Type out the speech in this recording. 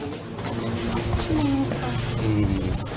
อ๋อไม่ค่ะ